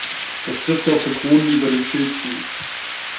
Das trifft auch für Kronen über dem Schild zu.